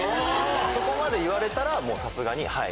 そこまで言われたらさすがにはい。